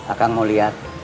akan mau lihat